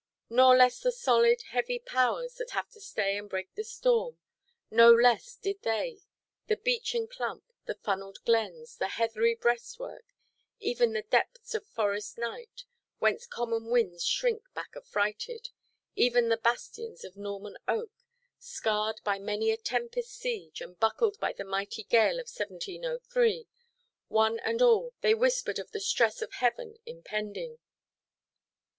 Nor less the solid, heavy powers that have to stay and break the storm, no less did they, the beechen clump, the funnelled glens, the heathery breastwork, even the depths of forest night—whence common winds shrink back affrighted—even the bastions of Norman oak, scarred by many a tempest–siege, and buckled by the mighty gale of 1703,—one and all they whispered of the stress of heaven impending.